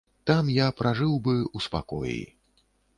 Там я пражыў бы ў спакоі.